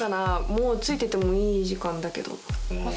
もう着いててもいい時間だけどあ